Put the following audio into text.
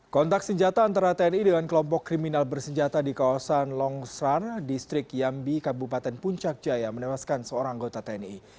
kontak senjata antara tni dengan kelompok kriminal bersenjata di kawasan longsran distrik yambi kabupaten puncak jaya menewaskan seorang anggota tni